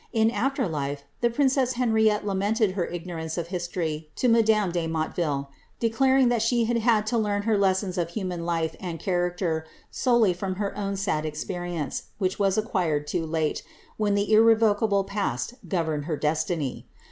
In af\er life the princess Henriette lamented her ignorance of history to madame de Motteville, declaring that she had had to learn her lessons of human life and cha racter solely from her own sad experience, which was acquired too late, when the irrevocable past governed her destiny.